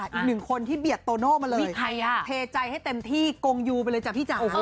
อีกหนึ่งคนที่เบียดโตโน่มาเลยเทใจให้เต็มที่กงยูไปเลยจ้ะพี่จ๋า